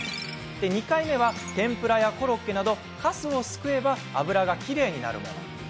２回目は天ぷらやコロッケなどかすをすくえば油がきれいになるもの。